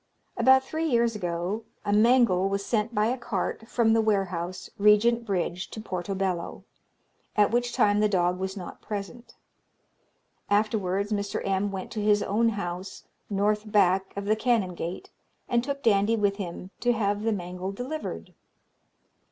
"About three years ago a mangle was sent by a cart from the warehouse, Regent Bridge, to Portobello, at which time the dog was not present. Afterwards, Mr. M. went to his own house, North Back of the Canongate, and took Dandie with him, to have the mangle delivered.